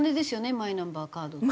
マイナンバーカードって。